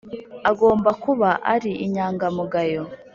agomba kuba ari inyangamugayo,